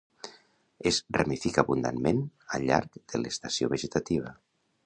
Es ramifica abundantment al llarg de l'estació vegetativa.